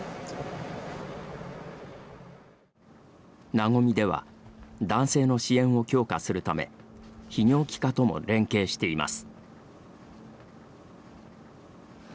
なごみでは男性の支援を強化するため泌尿器科とも連携しています。